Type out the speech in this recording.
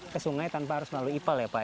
ke sungai tanpa harus melalui ipal ya pak